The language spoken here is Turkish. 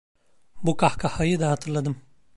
Bu kahkahayı da hatırladım.